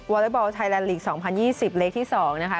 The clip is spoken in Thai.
วอร์เล็ตบอลไทยและหลีก๒๐๒๐เลขที่สองนะคะ